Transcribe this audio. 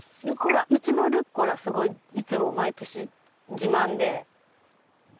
うちのルッコラすごいいつも毎年自慢で。